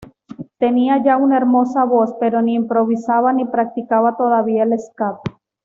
Tenía ya una hermosa voz, pero ni improvisaba ni practicaba todavía el "scat".